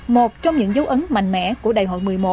một trong những dấu ấn mạnh mẽ của đại hội một mươi một